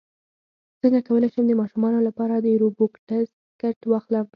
څنګه کولی شم د ماشومانو لپاره د روبوټکس کټ واخلم